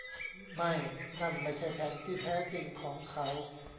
ไม่นั่นไม่ใช่แผนที่แท้จริงของเขา